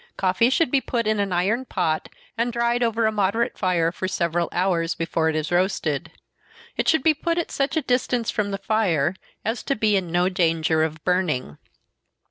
Coffee should be put in an iron pot, and dried over a moderate fire for several hours, before it is roasted. It should be put at such a distance from the fire, as to be in no danger of burning.